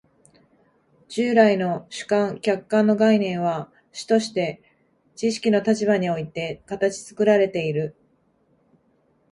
従来の主観・客観の概念は主として知識の立場において形作られている。